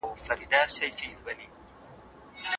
د ډنډ ترڅنګ د ږدن او مڼې ځای کولای سي ړنګ سي.